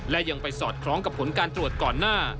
และยังไปสอดคล้องกับผลการตรวจก่อนหน้า